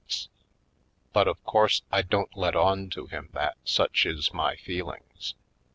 But of course I don't let on to him that such is my feelings.